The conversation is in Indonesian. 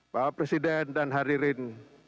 bapak presiden dan haririn